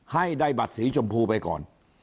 ให้ได้บัตรสีชมพูไปก่อน